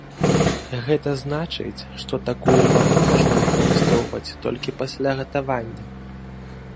Гэта значыць, што такую ваду можна выкарыстоўваць толькі пасля гатавання.